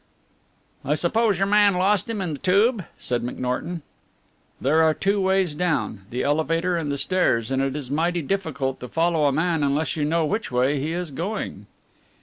"I suppose your man lost him in the tube," said McNorton. "There are two ways down, the elevator and the stairs, and it is mighty difficult to follow a man unless you know which way he is going."